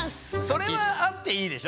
それはあっていいでしょ？